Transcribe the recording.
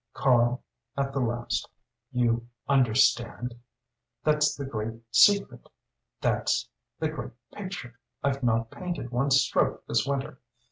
"Karl," at the last "you understand? That's the great secret! That's the great picture! I've not painted one stroke this winter!